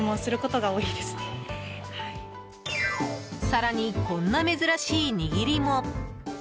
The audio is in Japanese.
更に、こんな珍しい握りも。